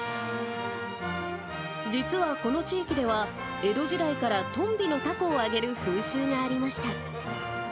実はこの地域では、江戸時代からとんびのたこを揚げる風習がありました。